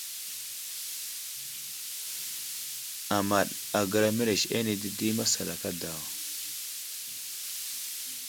Amaɗ agəra mərez ane dədi masalaka daw.